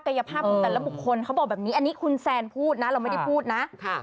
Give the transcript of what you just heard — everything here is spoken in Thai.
ภาพของแต่ละบุคคลเขาบอกแบบนี้อันนี้คุณแซนพูดนะเราไม่ได้พูดนะ